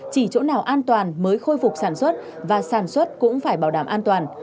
chỉ chỗ nào an toàn mới khôi phục sản xuất và sản xuất cũng phải bảo đảm an toàn